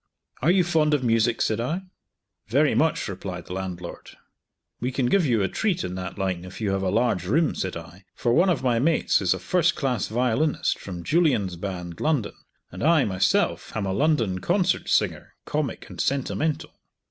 "Are you fond of music?" said I. "Very much," replied the landlord. "We can give you a treat in that line if you have a large room," said I, "for one of my mates is a first class violinist from Julien's Band, London, and I, myself, am a London concert singer, comic and sentimental."